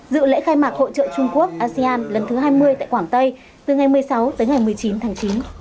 dự lễ khai mạc hội trợ trung quốc asean lần thứ hai mươi tại quảng tây từ ngày một mươi sáu tới ngày một mươi chín tháng chín